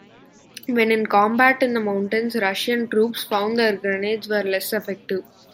When in combat in the mountains Russian troops found their grenades were less effective.